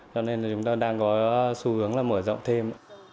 cho nên là chúng ta đang có xu hướng là mở rộng thêm